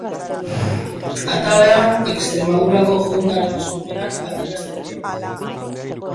Atalean Extremadurako Juntaren eskumenak adierazten dira.